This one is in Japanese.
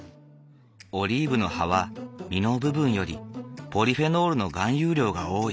オリーブの葉は実の部分よりポリフェノールの含有量が多い。